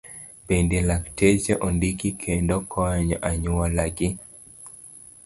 Bende, lakteche ondiki kendo konyo anyuola gi.